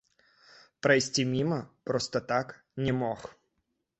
Прайсці міма, проста так, не мог!